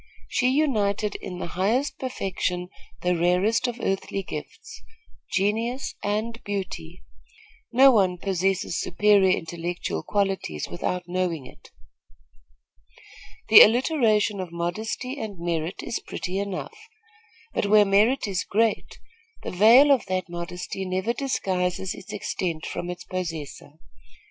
She united in the highest perfection the rarest of earthly gifts genius and beauty. No one possesses superior intellectual qualities without knowing it. The alliteration of modesty and merit is pretty enough; but where merit is great, the veil of that modesty never disguises its extent from its possessor.